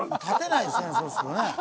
立てないですね